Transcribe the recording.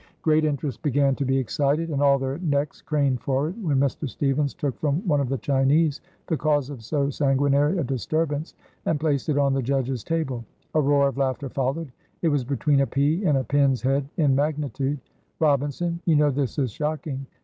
Great interest began to be excited, and all their necks craned forward when Mr. Stevens took from one of the Chinese the cause of so sanguinary a disturbance, and placed it on the judge's table. A roar of laughter followed it was between a pea and a pin's head in magnitude. Robinson. "You know this is shocking.